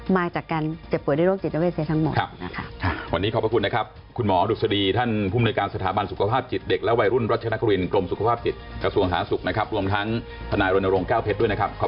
มาจากการเจ็บป่วยทางโรคจิตเจ้าเวทย์ทั้งหมด